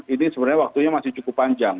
ini sebenarnya waktunya masih cukup panjang